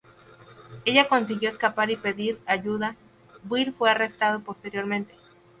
Ella consiguió escapar y pedir ayuda, Buell fue arrestado posteriormente.